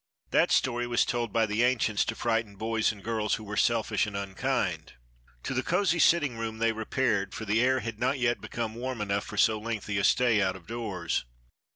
That story was told by the ancients to frighten boys and girls who were selfish and unkind." To the cosy sitting room they repaired, for the air had not yet become warm enough for so lengthy a stay out of doors.